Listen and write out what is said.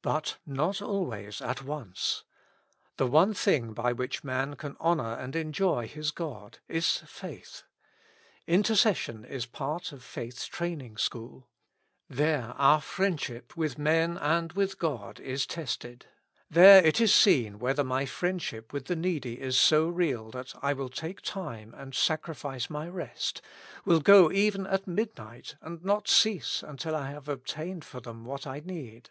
But not always at once. The one thing by which man can honor and enjoy his God isy«zV/z. Intercession is part of faith's training school. There our friend ship with men and with God is tested. There it is seen whether my friendship with the needy is so real that I will take time and sacrifice my rest, will go even at midnight and not cease until I have obtained for them what I need.